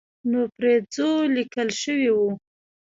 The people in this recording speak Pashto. نو پرې ځو لیکل شوي وو.